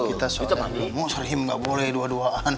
kita soalnya ngomong serhim gak boleh dua duaan